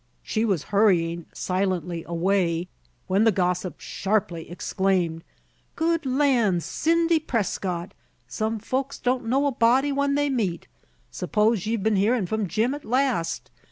She was hurrying silently away, when the gossip sharply exclaimed, "Good lands, Cynthi' Prescott! some folks don't know a body when they meet. 'Spose ye've been hearin' from Jim at last.